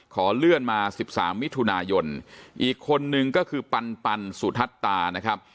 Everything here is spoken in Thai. ขอเลื่อนมา๑๓มิถุนายนอีกคนนึงก็คือปันปันสุทัศน์ตานะครับ